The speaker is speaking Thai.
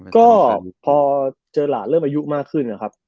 ก็พอเจอหลานเริ่มอายุมากขึ้นนะครับ